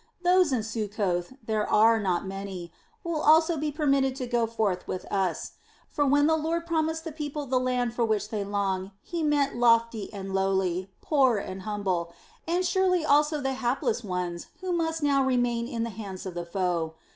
Those in Succoth there are not many will also be permitted to go forth with us; for when the Lord promised the people the Land for which they long, He meant lofty and lowly, poor and humble, and surely also the hapless ones who must now remain in the hands of the foe.